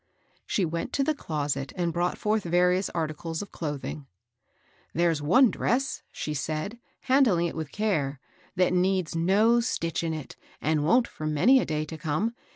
She went to the closet and brought forth various articles of clothing. There's one dress," she said, handling it with care, " that needs no stitch in it, and wont for many a day to come.